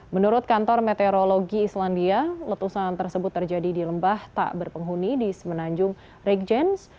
menurut kantor meteorologi islandia letusan tersebut terjadi di lembah tak berpenghuni di semenanjung regjens